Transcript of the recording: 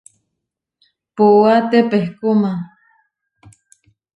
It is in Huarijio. Puúa tepehkúma.